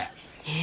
え？